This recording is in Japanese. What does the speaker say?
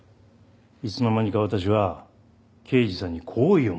いつの間にか私は刑事さんに好意を持ってしまった。